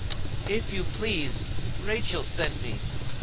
"If you please, Rachel sent me.